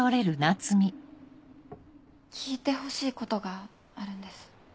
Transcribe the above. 聞いてほしいことがあるんです。